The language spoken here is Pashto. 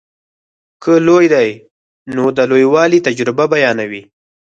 که لوی دی نو د لویوالي تجربه بیانوي.